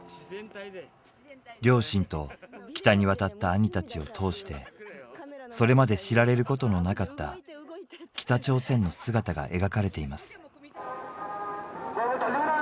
両親と北に渡った兄たちを通してそれまで知られることのなかった北朝鮮の姿が描かれています。